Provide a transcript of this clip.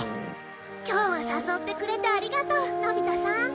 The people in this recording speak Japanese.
今日は誘ってくれてありがとうのび太さん。